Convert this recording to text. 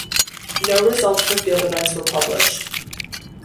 No results for field events were published.